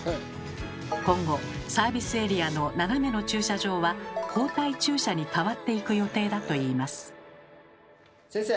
今後サービスエリアの斜めの駐車場は「後退駐車」に変わっていく予定だといいます。